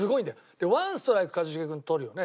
で「ワンストライク一茂君取るよね」